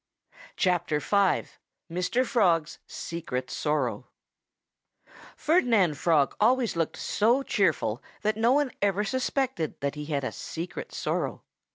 V MR. FROG'S SECRET SORROW Ferdinand Frog always looked so cheerful that no one ever suspected that he had a secret sorrow.